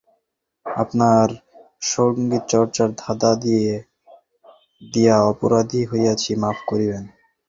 আপনার সংগীতচর্চায় বাধা দিয়া অপরাধী হইয়াছি–মাপ করিবেন।